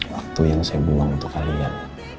waktu yang saya buang untuk kalian